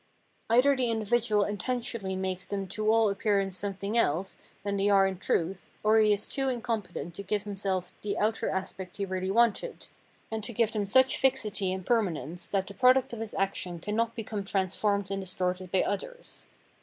Either the individual intentionally makes them to all appearance something else than they are in truth, or he is too incompetent to give himself the outer aspect he really wanted, and to give them such fixity and permanence that the product of his action cannot become transformed and distorted by others.